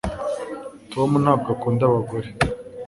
Tom ntabwo akunda abagore